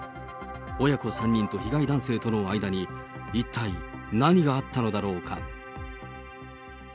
親子３人と被害男性との間に一体何があったのだろうか。